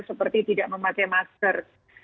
seperti tidak memakai masker